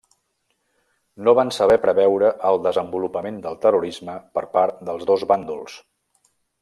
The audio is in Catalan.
No van saber preveure el desenvolupament del terrorisme per part dels dos bàndols.